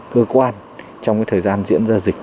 cơ quan trong thời gian diễn ra dịch